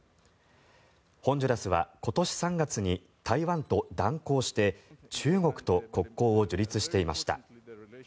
ホンジュラスは今年３月に台湾と断交して中国と国交を樹立していました。